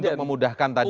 tapi untuk memudahkan tadi